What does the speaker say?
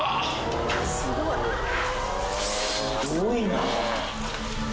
すごいな。